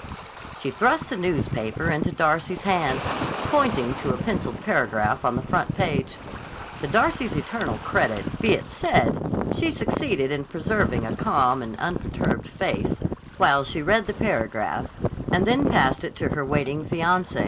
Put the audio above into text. She thrust the newspaper into Darcy's hand, pointing to a penciled paragraph on the front page. To Darcy's eternal credit be it said, she succeeded in preserving a calm and unperturbed face, while she read the paragraph, and then passed it to her waiting fiancé.